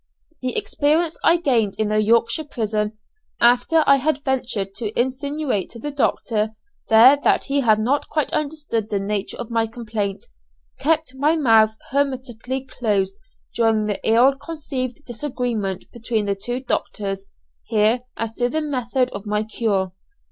The experience I gained in the Yorkshire prison, after I had ventured to insinuate to the doctor there that he had not quite understood the nature of my complaint, kept my mouth hermetically closed during the ill concealed disagreement between the two doctors here as to the method of my cure.